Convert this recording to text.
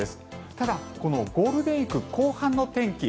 ただ、このゴールデンウィーク後半の天気